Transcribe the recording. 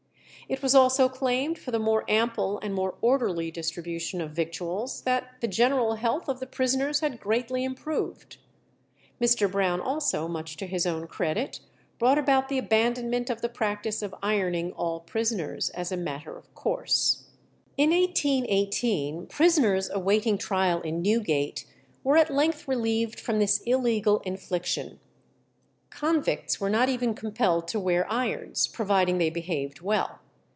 It was also claimed for the more ample and more orderly distribution of victuals, that the general health of the prisoners had greatly improved. Mr. Brown also, much to his own credit, brought about the abandonment of the practice of ironing all prisoners as a matter of course. In 1818 prisoners awaiting trial in Newgate, were at length relieved from this illegal infliction. Convicts were not even compelled to wear irons, providing they behaved well.